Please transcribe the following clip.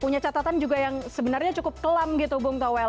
punya catatan juga yang sebenarnya cukup kelam gitu bung towel